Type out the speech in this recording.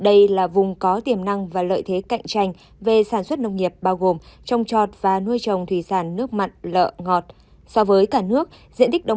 đây là vùng có tiềm năng và lợi thế cạnh tranh về sản xuất nông nghiệp bao gồm trồng trọt và nuôi trồng thủy sản nước mặn lợ ngọt